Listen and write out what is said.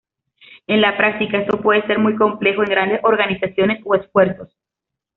En la práctica, esto puede ser muy complejo en grandes organizaciones o esfuerzos.